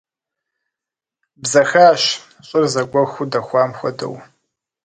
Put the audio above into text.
Бзэхащ, щӀыр зэгуэхуу дэхуам хуэдэу.